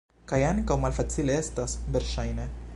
Kaj ankaŭ malfacile estas, verŝajne.